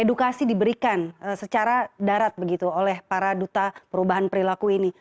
edukasi diberikan secara darat begitu oleh para duta perubahan perilaku ini